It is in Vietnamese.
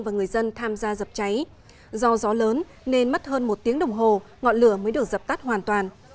và người dân tham gia dập cháy do gió lớn nên mất hơn một tiếng đồng hồ ngọn lửa mới được dập tắt hoàn toàn